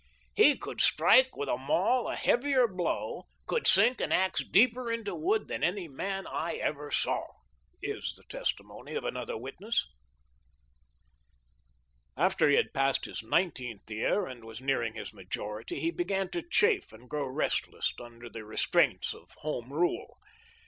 He could strike with a maul a heavier blow — could sink an axe deeper into wood than any man I ever saw," is the testimony of another witness. After he had passed his nineteenth year and was nearing his majority he began to chafe and grow restless under the restraints of home rule.